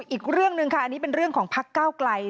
อีกเรื่องหนึ่งค่ะอันนี้เป็นเรื่องของพักเก้าไกล